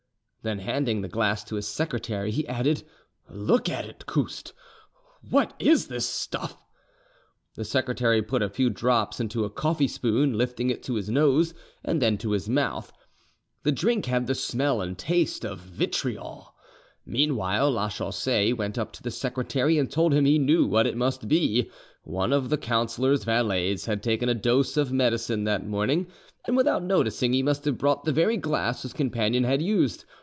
Then handing the glass to his secretary, he added, "Look at it, Couste: what is this stuff?" The secretary put a few drops into a coffee spoon, lifting it to his nose and then to his mouth: the drink had the smell and taste of vitriol. Meanwhile Lachaussee went up to the secretary and told him he knew what it must be: one of the councillor's valets had taken a dose of medicine that morning, and without noticing he must have brought the very glass his companion had used.